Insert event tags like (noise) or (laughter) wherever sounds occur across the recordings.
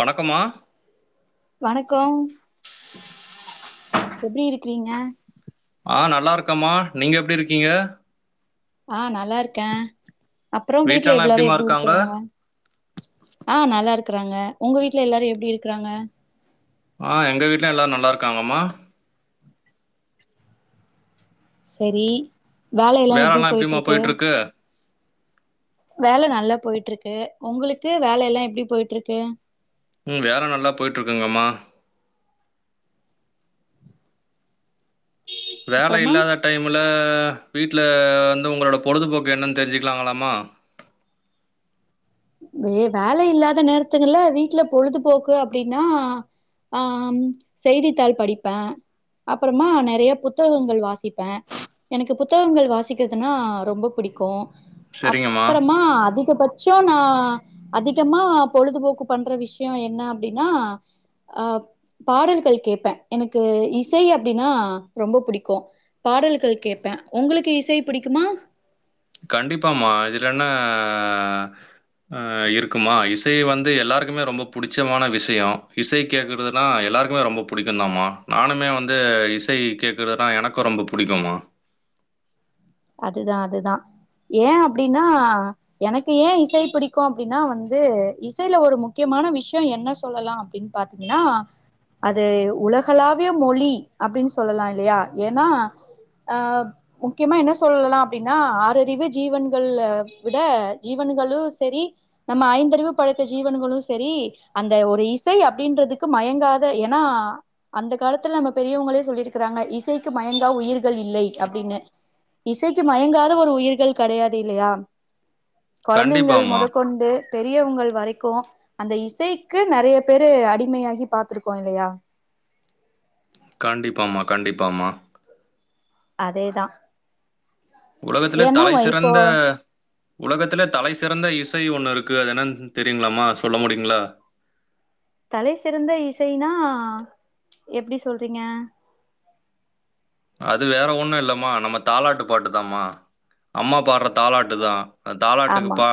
வணக்கமா வணக்கோ எப்டி இருக்றீங்க ஆ நல்லா இருக்கம்மா நீங்க எப்டி இருக்கீங்க ஆ நல்லாருக்கே அப்றொ வீட்ல வீட்லலாம் எவ்ளோரு எப்படிம்மா எப்டி இருக்காங்க இருக்குறாங்க ஆ நல்லாருக்குறாங்க ஒங்க வீட்ல எல்லாரு எப்டி இருக்றாங்க ஆ எங்க வீட்ல எல்லாரு நல்லாருக்காங்கம்மா உம் செரி வேல எல்லா எப்டி வேலைலாம் போயிட் எப்படிம்மா இருக்கு போயிட்டு வேல நல்லா போய்ட் இருக்கு ஒங்களுக்கு வேல எல்லா எப்டி போய்ட் இருக்கு ம் வேல நல்லா போய்ட்ருக்குங்கம்மா வேலை அப்றமா இல்லாத டைமுல வீட்ல வந்து உங்களோட பொழுதுபோக்கு என்னென் தெருஞ்சுக்கலாங்களாமா வே வேலை இல்லாத நேரத்துங்கல்ல வீட்ல பொழுதுபோக்கு அப்டின்னா ஆ ம் செய்தித்தாள் படிப்பே அப்பறமா நெறைய புத்தகங்கள் வாசிப்பே எனக்கு புத்தகங்கள் வாசிக்கிறதுன்னா ரொம்ப புடிக்கு சரிங்கம்மா அப்பறமா அதிகபட்சொ நா அதிகமா பொழுதுபோக்கு பண்ற விஷயோ என்ன அப்டின்னா அஹ் பாடல்கள் கேப்பே எனக்கு இசை அப்டின்னா ரொம்ப புடிக்கு பாடல்கள் கேப்பே ஒங்களுக்கு இசை புடிக்குமா கண்டிப்பா மா இதுல என்னா அ இருக்குமா இசை வந்து எல்லாருக்குமே ரொம்ப புடுச்சமான விஷயோ இசை கேக்குறதுனா எல்லாருக்குமே ரொம்ப புடிக்கு தமா நானுமே வந்து இசை கேக்குறதுனா எனக்கு ரொம்ப புடிக்குமா அதுதா அதுதா ஏ அப்டின்னா எனக்கு ஏ இசை பிடிக்கு அப்டின்னா வந்து இசையில ஒரு முக்யமான விஷ்யொ என்ன சொல்லலா அப்டின் பாத்திங்கன்னா அது உலகளாவிய மொழி அப்டின்னு சொல்லலா இல்லையா ஏன்னா அ முக்கியமா என்ன சொல்லலா அப்டின்னா ஆறறிவு ஜீவன்கல்ல விட ஜீவன்களு செரி நம்ம ஐந்தறிவு படைத்த ஜீவன்களு செரி அந்த ஒரு இசை அப்டின்றதுக்கு மயங்காத ஏன்னா அந்த காலத்துல நம்ம பெரியவுங்களே சொல்லிருக்கறாங்க இசைக்கு மயங்கா உயிர்கள் இல்லை அப்டின்னு இசைக்கு மயங்காத ஒரு உயிர்கள் கெடையாது இல்லையா கொழந்தைங்கள் கண்டிப்பாம்மா மொதக்கொண்டு பெரியவுங்கள் வரைக்கு அந்த இசைக்கு நெறைய பேரு அடிமையாகி பாத்துருக்கோ இல்லையா கண்டிப்பாம்மா கண்டிப்பாம்மா அதேதா உலகத்திலே ஏன்னா தலை இப்போ சிறந்த உலகத்துல தலை சிறந்த இசை ஒண்ணு இருக்கு அது என்னன்னு தெரியுங்களாமா சொல்ல முடியுங்களா தலை சிறந்த இசைனா எப்டி சொல்றீங்க அது வேற ஒண்ணு இல்லம்மா நம்ம தாலாட்டு பாட்டுதாமா அம்மா பாட்ற தாலாட்டுதா தாலாட்டுக்கு ஆமா பா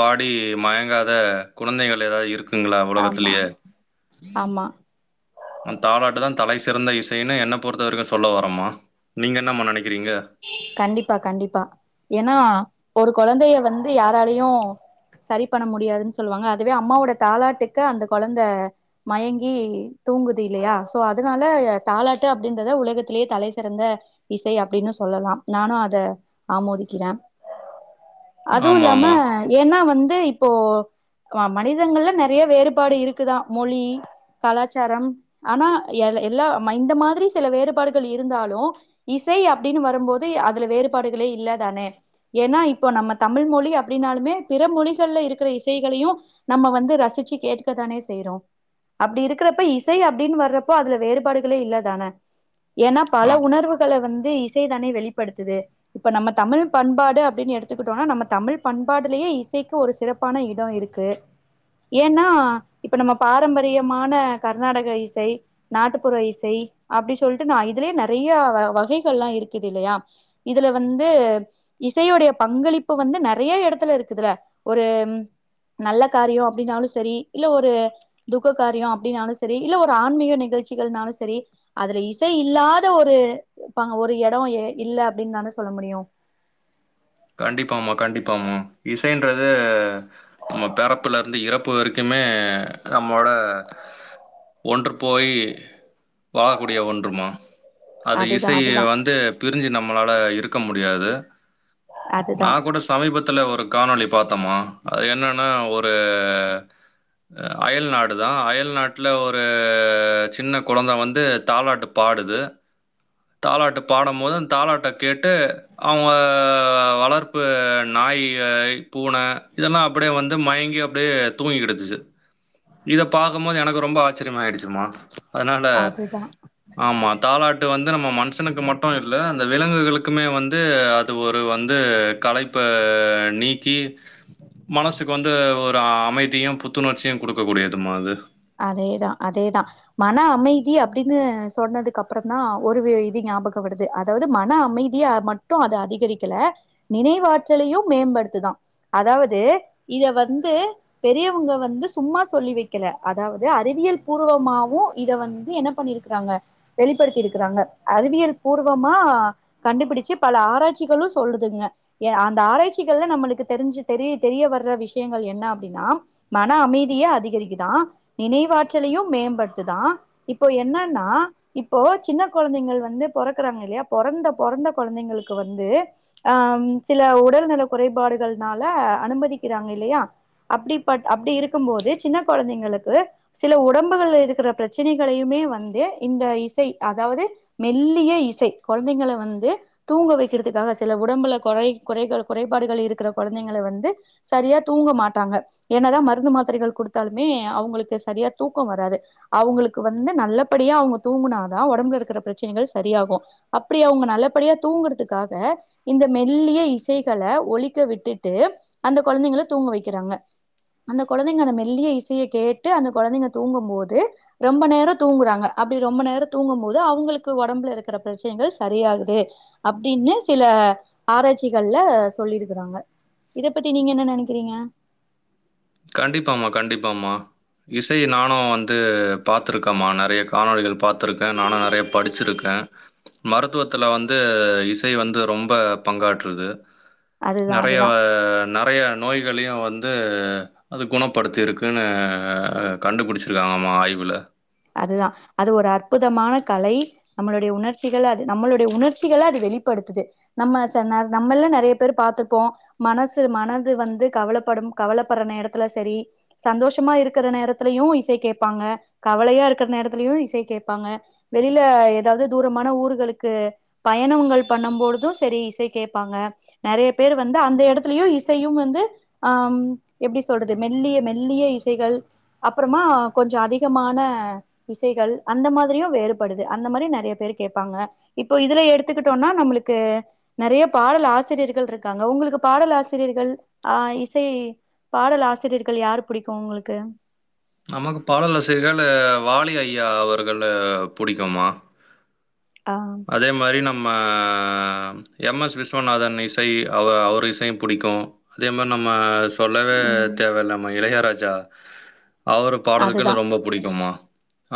பாடி மயங்காத குழந்தைகள் ஏதாவது இருக்கு இருக்குங்களா ஆமா உலகத்திலயே ஆமா அந்த தாளாட்டு தா தலை சிறந்த இசைன்னு என்ன பொறுத்தவரைக்கு சொல்ல வர ஆமா நீங்க என்னம்மா நெனைக்கிறீங்க கண்டிப்பா கண்டிப்பா ஏன்னா ஒரு கொழந்தைய வந்து யாராலையு சரி பண்ண முடியாதுன்னு சொல்லுவாங்க அதுவே அம்மாவோட தாளாட்டுக்கு அந்த கொழந்த மயங்கி தூங்குது இல்லையா சோ அதனால தாலாட்டு அப்டின்றத உலகத்திலேயே தலை சிறந்த இசை அப்டின்னு சொல்லலா நானு அத ஆமோதிக்கிறே அதுவு இல்லாம ஆமாமா. ஏன்னா வந்து இப்போ மனிதங்கள்ல நெறைய வேறுபாடு இருக்குதா மொழி கலாச்சாரம் ஆனா எ எல்லா இந்த மாதிரி சில வேறுபாடுகள் இருந்தாலு இசை அப்டின்னு வரும்போது அதுல வேறுபாடுகளே இல்லதானே ஏன்னா இப்போ நம்ம தமிழ் மொழி அப்டின்னாலுமே பிற மொழிகள்ல இருக்கிற இசைகளையு நம்ம வந்து ரசிச்சு கேட்டுக்கதானே செய்யறோ அப்டி இருக்குறப்ப இசை அப்டின் வர்றப்போ அதுல வேறுபாடுகளே இல்ல தான ஏன்னா பல ஆம். உணர்வுகள வந்து இசைதானே வெளிப்படுத்துது இப்ப நம்ம தமிழ் பண்பாடு அப்டின்னு எடுத்துக்கிட்டோமன்னா நம்ம தமிழ் பண்பாடுலேயே இசைக்கு ஒரு சிறப்பு பண இடோ இருக்கு ஏன்னா இப்ப நம்ம பாரம்பரியமான கர்நாடக இசை நாட்டுப்புற இசை அப்டி சொல்லிட்டு நா இதுலயே நெறைய வகைகள் எல்லா இருக்குது இல்லையா இதுல வந்து இசையுடைய பங்களிப்பு வந்து நெறைய எடத்துல இருக்குதுல ஒரு நல்ல காரியோ அப்டின்னாலு செரி இல்ல ஒரு துக்க காரியோ அப்டின்னாலு செரி இல்ல ஒரு ஆன்மீக நிகழ்ச்சிகள்னாலு செரி அதுல இசை இல்லாத ஒரு பாங்க ஒரு எடோ இல்ல அப்டின்னு தானே சொல்ல முடியு கண்டிப்பாமா கண்டிப்பாமா இசைன்றது நம்ம பிறப்புல இருந்து இறப்பு வரைக்குமே நம்மோட ஒன்று போய் வாழக்கூடிய ஒன்றுமா அது அதுதா இசைய அதுதா வந்து பிரிஞ்சு நம்மளால இருக்க முடியாது அதுதா நா கூட சமீபத்துல ஒரு காணொளி பாத்தோமா அது என்னன்னா ஒரு அயல் நாடு தா அயல்நாட்ல ஒரு சின்ன குழந்த வந்து தாலாட்டுப் பாடுது தாலாட்டு பாடும்போது அந்த தாலாட்ட கேட்டு அவங்க அ வளர்ப்பு நாய் பூனை இதெல்லா அப்படியே வந்து மயங்கி அப்டியே தூங்கிடுச்சு இத பாக்கும் போது எனக்கு ரொம்ப ஆச்சிரியமா ஆயிடுச்சுமா அதனால அதுதா ஆமா தாலாட்டு வந்து நம்ம மனுஷனுக்கு மட்டு இல்ல அந்த விலங்குகளுக்குமே வந்து அது ஒரு இது வந்து கலைப்ப நீக்கி மனசுக்கு வந்து ஒரு அமைதியு புத்துணர்ச்சியு கொடுக்க கூடியதுமா அது அதேதா அதேதா மன அமைதி அப்டின்னு சொன்னதுக்கு அப்றோ தா ஒரு இது ஞாபகோ வருது அ அதாவது மன அமைதிய மட்டு அது அதிகரிக்கல நினைவாற்றலையு மேம்படுத்துதா அதாவது இத வந்து பெரியவங்க வந்து சும்மா சொல்லி வைக்கல அதாவது அறிவியல் பூர்வமாவு இத வந்து என்ன பண்ணிருக்கறாங்க வெளிப்படுத்தி இருக்கிறாங்க அறிவியல் பூர்வமா கண்டுபிடிச்சு பல ஆராய்ச்சிகளும் சொல்லுதுங்க ஏ அந்த ஆராய்ச்சிகள்ல நம்மளுக்கு தெரிஞ்சு தெரிய தெரிய வர்ற விஷயங்கள் என்ன அப்டின்னா மன அமைதிய அதிகரிக்குதான் நினைவாற்றலையும் மேம்படுத்துதான் இப்போ என்னன்னா இப்போ சின்ன கொழந்தைங்கள் வந்து பொறக்குறாங்க இல்லையா பிறந்த பிறந்த கொழந்தைங்களுக்கு வந்து அ சில உடல் நல குறைபாடுகள்னால அனுமதிக்கிறாங்க இல்லையா அப்டி பட் அப்டி இருக்கும் போது சின்ன குழந்தங்களுக்கு து சில உடம்புகள் இருக்கிற பிரச்சனைகளையுமே வந்து இந்த இசை அதாவது மெல்லிய இசை குழந்தைங்கல வந்து தூங்க வைக்கிறதுக்காக சில உடம்புல குறை குறைகள் குறைபாடுகள் இருக்கிற கொழந்தைங்கள வந்து சரியா தூங்க மாட்டாங்க என்னதா மருந்து மாத்திரைகள் கொடுத்தாலுமே அவங்களுக்கு இங்க சரியா தூக்கம் வராது அவங்களுக்கு வந்து நல்லபடியா அவங்க தூங்குனாதா உடம்புல இருக்குற பிரச்சனகள் சரியாகு அப்டியா அவங்க நல்லபடியா தூங்குறதுக்காக இந்த மெல்லிய இசைக்கள ஒழிக்க விட்டுட்டு அந்த குழந்தங்கள தூங்க வைக்கிறாங்க அந்த கொழந்தைங்கந்த மெல்லிய இசையை கேட்டு அந்த கொழந்தைங்க தூங்கும் போது ரொம்ப நேரம் தூங்குறாங்க அப்டி ரொம்ப நேரம் தூங்கும் போது அவங்களுக்கு உடம்புல இருக்கிற பிரச்சனைகள் சரியாகுது அப்டின்னு சில ஆராய்ச்சிகள்ல சொல்லியிருக்கிறாங்க இத பத்தி நீங்க என்ன நெனைக்கிறீங்க கண்டிப்பாமா கண்டிப்பாமா இசைய நானும் வந்து பாத்தருக்கேம்மா நெறைய காணொலிகள் பாத்தருக்கேன் நானும் நெறைய படிச்சிருக்கேன் மருத்துவத்துல வந்து இசை வந்து ரொம்ப பங்காற்றுது அதுதா நெறைய அதுதா நெறைய நோய்களையும் வந்து அது குணப்படுத்தியிருக்குன்னு ஆ இருந்தது கண்டு பிடிச்சிருக்காங்கம்மா ஆய்வவுல்ல அதுதான் அது ஒரு அற்புதமான கலை நம்மளுடைய உணர்ச்சிகளை அது நம்மளுடைய உணர்ச்சிகளை அது வெளிப்படுத்துது நம்ம ச நம்மல்லாம் நெறைய பேரு பாத்துருப்போம் மனசு மனது வந்து கவலப்படும் கவலபட்ர நேரத்துல்ல சரி சந்தோஷமா இருக்குற நேரத்திலயையு இசை கேட்பாங்க க வலையா இருக்கிற நேரத்துலயும் இசை கேப்பாங்க வெளில ஏதாவது தூரமான ஊர்களுக்கு பயணங்கள் பண்ணும்பொழுதும் செரி இசை கேப்பாங்க நெறைய பேர் வந்து அந்த எடத்துலயும் இசையும் வந்து ம் எப்டி சொல்றது மெல்லிய மெல்லிய இசைகள் அப்றமா கொஞ்சம் அதிகமான அ விசைகள் அந்த மாதிரியு வேறுபடுது அந்த மாதிரயு நெறைய பேர் கேட்பாங்க இப்போ இதுல எடுத்துக்கிட்டோம்னா நம்மளுக்கு நெறைய பாடல் ஆசிரியர்கள் இருக்காங்க உங்களுக்கு பாடல் ஆசிரியர்கள் ஆ இசை பாடல் ஆசிரியர்கள் யார் புடிக்கும் உங்களுக்கு நமக்கு பாடல் ஆசிரியர்கள் வாலி ஐயா அவர்கள் புடிக்குமா ஆ அதே மாரி நம்ம எம் எஸ் விஸ்வநாதன் இசை அவ அவர் இசையும் புடிக்கும் அதே மாரி நம்ம சொல்லவே ம் தேவை இலாம இளையராஜா அவரு பாடலுகள்ல்ல அதுதா ரொம்ப புடிக்குமா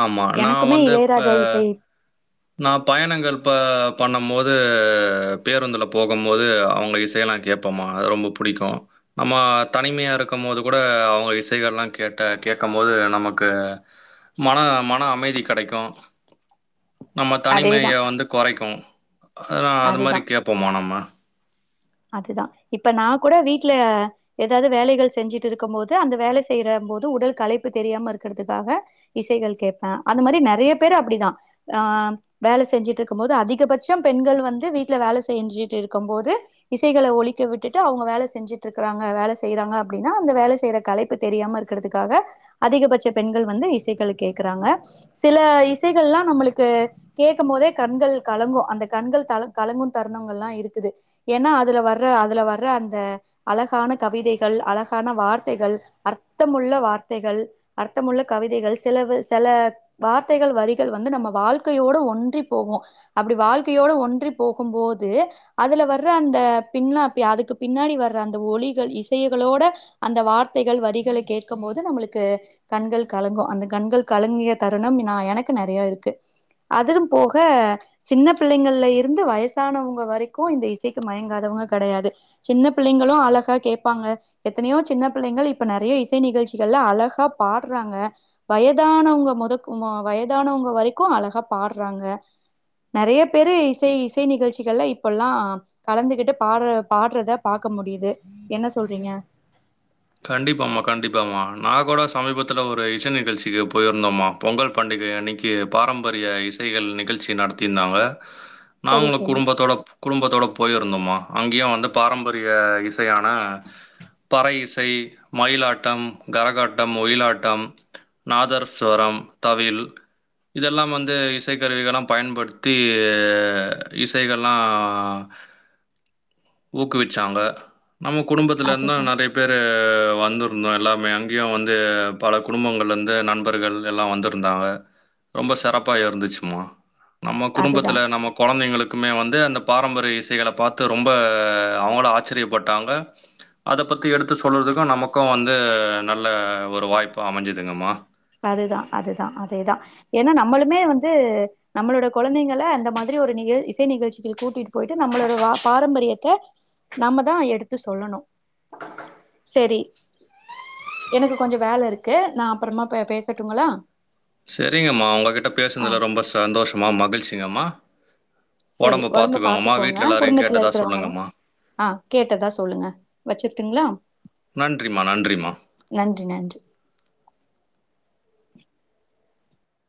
ஆமா நா எனக்குமே வந்துப்ப இளையராஜா இசை நா பயணங்கள் ப பண்ணும்போது பேருந்தில போகும்போது அவங்க இசையலாம் கேப்ப (unintelligible) அது ரொம்ப புடிக்கும் நம்ம தனிமையா இருக்கும் போது கூட அவங்க இசைகள்ல்லாம் கேட்டு க கேட்க போது நமக்கு மன மன அமைதி கிடைக்கு நம்ம தனிமைய அதேதா வந்து கொறைக்கு ஆ அந்த மாரி கேப்போமா நம்ம அது தா இப்ப நா கூட வீட்ல ஏதாவது வேலைகள் செஞ்சிட்டு இருக்கம் போது அந்த வேல செய்யுறம் போது உடல் களைப்பு தெரியாம இருக்கிறதுக்காக இசைகள் கேப்பே அந்த மாரி நெறைய பேரு அப்டிதா ஆ வேல செஞ்சிட்டு இருக்கு போது அதிகபச்சோ பெண்கள் வந்து வீட்ல வேல செஞ்சிட்டு இருக்கும் போது இசைகளை ஒலிக்க விட்டுட்டு அவுங்க வேல செஞ்சிட்டு இருக்குறாங்க வேல செய்றாங்க அப்டின்னா அந்த வேல செய்யுற களைப் ப்பு தெரியாம இருக்கிறதுக்காக அதிகபச்ச பெண்கள் வந்து இசைகள் கேக்குறாங்க சில இசைகள்லா நம்மளுக்கு கேக்க போதே கண்கள் கலங்கு அந்த கண்கள் த கலங்கு தருணங்கள்ல்லா இருக்குது ஏன்னா அதுல வர்ற அதுல வர்ற அந்த அழகான கவிதைகள் அழகான வார்த்தைகள் அர்த்தமுள்ள வார்த்தைகள் அர்த்தமுள்ள கவிதைகள் சிலவு செல வார்த்தைகள் வரிகள் வந்து நம்ம வாழ்க்கையோட ஒன்றி போகு அப்டி வாழ்க்கையோட ஒன்றி போகும்போது அதுல வர் வர்ற அந்த பின்லாப்பி அதுக்கு பின்னாடி வர்ற அந்த ஒலிகள் இசைகளோட அந்த வார்த்தைகள் வரிகளை கேட்கும் போது நம்மளுக்கு கண்கள் கலங்கு அந்த கண்கள் கலங்கிய தருணம் நா எனக்கு நெறையா இருக்கு அதிலு போக சின்ன பிள்ளைங்கள்ல இருந்து வயசானவங்க வரைக்கு இந்த இசை த்து மயங்காதவங்க கடையாது சின்ன பிள்ளைங்களு அழகா கேப்பாங்க எத்தனையோ சின்ன பிள்ளைங்கள் இப்ப நெறையா இசை நிகழ்ச்சிகள்ல அழகா பாடுறாங்க வயதானவங்க முதக்கோ வயதானவங்க வரைக்கு அழகா பாடுறாங்க நறைய பேரு இசை இசை நிகழ்ச்சிகள்ல இப்பல்லா கலந்துகிட்டு பாடுற பாடுறத பாக்க முடியுது என்ன சொல்றீங்க கண்டிப்பாமா கண்டிப்பாமா நா கூட சமீபத்துல ஒரு இசை நிகழ்ச்சிக்கு போய்ருந்தம்மா பொங்கல் பண்டிகை அன்னைக்கி பாரம்பரிய இசைகள் நிகழ்ச்சி நடத்தியிருந்தாங்க சரி நாங்களு சரி குடும்பத்தோடப் குடும்பத்தோட போய் இருந்தோம்மா அங்கயு வந்து பாரம்பரிய இசையான பறை இ சை மயிலாட்டம் கரகாட்டம் ஒயிலாட்டம் நாதர்ஸ்வரம் தவிழ் இதெல்லா வந்து இசைக்கருவிகலா பயன்படுத்தி இசைகள்லா ஊக்குவிச்சாங்க நம்ம குடும்பத்துல இருந்து அதுதா நறைய பேரு வந்துருந்தோ எல்லாமே அங்கயு வந்து பல குடும்பங்கள்லந்து நண்பர்கள் எல்லா வந்து இருந்தாங்க ரொம்ப சிறப்பா இரந்துச்சும்மா நம்ம அதுதா குடும்பத்துல நம்ம கொழந்தைங்களுக்குமே வந்து அந்த பாரம்பரிய இசைகளை பாத்து ரொம்ப அவுங்களு ஆச்சரியப்பட்டாங்க அத பத்தி எடுத்து சொல்றதுக்கு நமக்கு வந்து நல்ல ஒரு வாய்ப்பு அமஞ்சதுங்கம்மா அதுதா அதுதா அதேதா ஏன்னா நம்மளுமே வந்து நம்மளோட கொழந்தைங்கள அந்த மாதிரி ஒரு நிகழ் இசை நிகழ்ச்சிக்கு கூட்டிட் போய்ட்டு நம்மளோட வா பாரம்பரியத்த நம்மதா எடுத்து சொல்லணு செரி எனக்கு கொஞ்சோ வேல இருக்கு நா அப்றமா பே பேசட்டுங்களா செரிங்கம்மா உங்ககிட்ட ஆ பேசுனதுல ரொம்ப சந்தோஷம்மா மகிழ்ச்சிங்கம்மா செரி ஒடம்ப பாத்துக்கோங்கம்மா பாத்துக்கோங்க வீட்டுல எல்லாரையு குடும்பத்துல கேட்டதா இருக்கிறவங்களா சொல்லுங்கம்மா ஆ கேட்டதா சொல்லுங்க வச்சிரட்டுங்களா நன்றிமா நன்றிம்மா நன்றி நன்றி